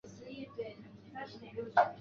本田太一是一位日本男子花样滑冰选手。